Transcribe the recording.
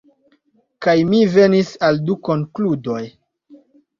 Kaj mi venis al du konkludoj.